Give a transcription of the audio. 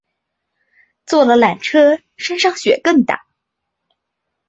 坐了缆车山上雪更大